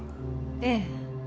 ええ。